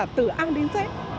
từ an đến dễ